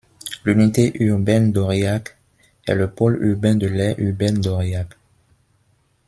L'unité urbaine d'Aurillac est le pôle urbain de l'aire urbaine d'Aurillac.